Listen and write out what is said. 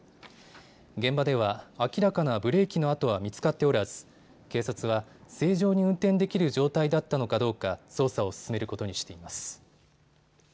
現場では明らかなブレーキの跡は見つかっておらず警察は正常に運転できる状態だったのかどうか捜査を進めることにしています。